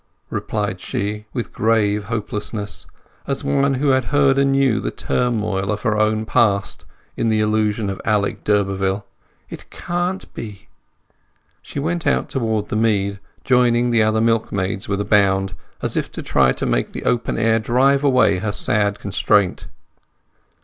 replied she with grave hopelessness, as one who had heard anew the turmoil of her own past in the allusion to Alec d'Urberville. "It can't be!" She went out towards the mead, joining the other milkmaids with a bound, as if trying to make the open air drive away her sad constraint.